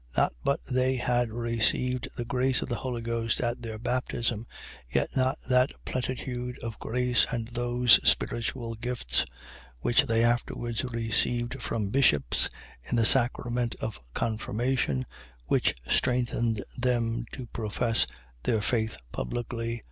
Not but they had received the grace of the Holy Ghost at their baptism: yet not that plenitude of grace and those spiritual gifts which they afterwards received from bishops in the sacrament of confirmation, which strengthened them to profess their faith publicly.